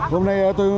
hôm nay ở tư